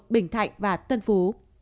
bình thạnh và tân phú